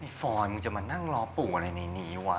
ฟอยมึงจะมานั่งรอปู่อะไรในนี้วะ